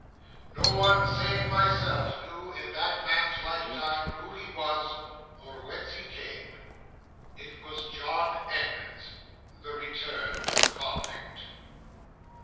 No one save myself knew in that man's lifetime who he was, or whence he came it was John Edmunds, the returned convict.